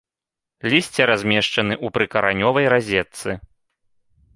Лісце размешчаны ў прыкаранёвай разетцы.